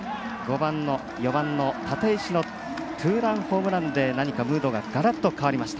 ４番立石のツーランホームランで何かムードがガラッと変わりました。